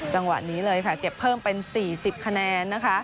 จังหวะนี้เลยเก็บเพิ่มเป็น๔๐คะแนน